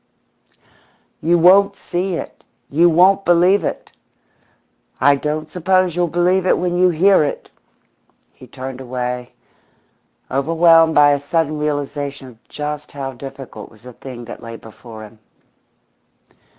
"You won't see it! You won't believe it! I don't suppose you'll believe it when you hear it!" He turned away, overwhelmed by a sudden realisation of just how difficult was the thing that lay before him.